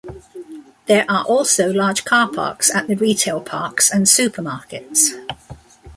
There are also large car parks at the retail parks and supermarkets.